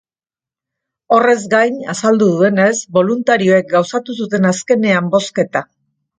Horrez gain, azaldu duenez, boluntarioek gauzatu zuten azkenean bozketa.